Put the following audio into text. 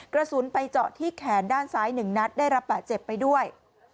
กระสุนไปเจาะที่แขนด้านซ้าย๑นัดได้รับบาดเจ็บไปด้วย